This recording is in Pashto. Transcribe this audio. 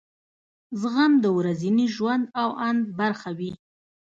زغم د ورځني ژوند او اند برخه وي.